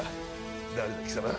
誰だ、貴様。